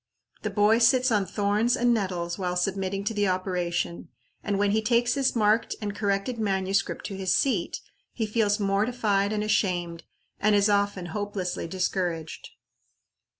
The boy sits on thorns and nettles while submitting to the operation, and when he takes his marked and corrected manuscript to his seat, he feels mortified and ashamed, and is often hopelessly discouraged.